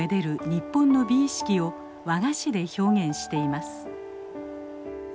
日本の美意識を和菓子で表現しています。